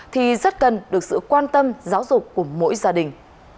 thì rất cần được sự quan tâm giáo dục của mỗi gia đình